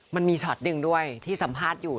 มันมีช็อตหนึ่งด้วยที่สัมภาษณ์อยู่